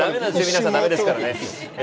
皆さん駄目ですからね。